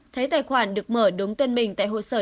thấy tài khoản được mở đúng tên mình tại hội sở